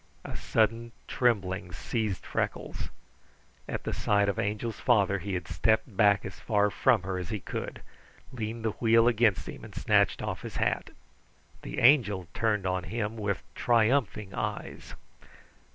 A sudden trembling seized Freckles. At sight of the Angel's father he had stepped back as far from her as he could, leaned the wheel against him, and snatched off his hat. The Angel turned on him with triumphing eyes.